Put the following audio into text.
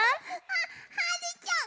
あっはるちゃん！